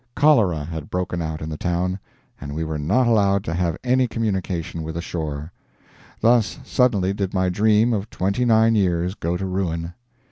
Cholera had broken out in the town, and we were not allowed to have any communication with the shore. Thus suddenly did my dream of twenty nine years go to ruin.